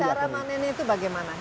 cara manennya itu bagaimana